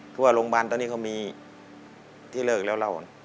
คือว่าโรงพยาบาลตอนนี้เขามีที่เลิกแล้ว